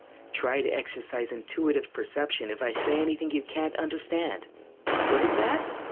Try to exercise intuitive perception if I say anything you can't understand. What is that?